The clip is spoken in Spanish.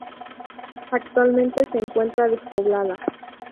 Actualmente se encuentra despoblada.